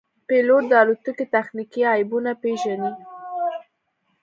پیلوټ د الوتکې تخنیکي عیبونه پېژني.